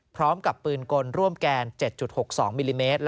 พร้อมกับปืนกลร่วมแกน๗๖๒มิลลิเมตร